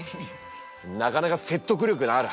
なかなか説得力のある話だな。